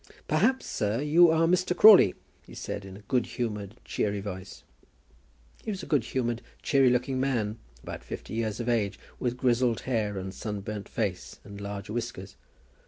"Perhaps, sir, you are Mr. Crawley?" he said, in a good humoured, cheery voice. He was a good humoured, cheery looking man, about fifty years of age, with grizzled hair and sunburnt face, and large whiskers.